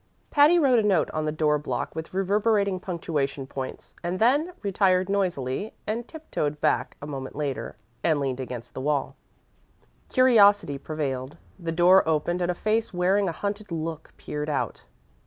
Patty wrote a note on the door block with reverberating punctuation points, and then retired noisily, and tiptoed back a moment later, and leaned against the wall. Curiosity prevailed; the door opened, and a face wearing a hunted look peered out.